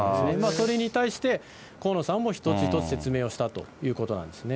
それに対して、河野さんも一つ一つ説明をしたということなんですね。